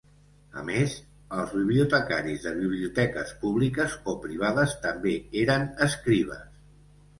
A més, els bibliotecaris de biblioteques públiques o privades també eren escribes.